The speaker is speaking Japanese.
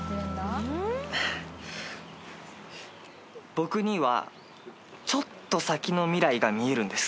僕にはちょっと先の未来が見えるんです。